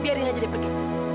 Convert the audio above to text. biarin aja dia pergi